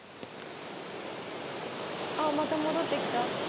あっまた戻ってきた。